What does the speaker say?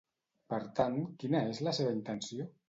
Per tant, quina és la seva intenció?